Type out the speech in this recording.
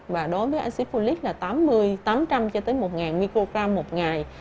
và đối với axit folic là tám mươi tám trăm linh một nghìn mcg một ngày